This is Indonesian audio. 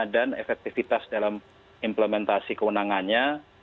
dan efektivitas dalam implementasi kewenangannya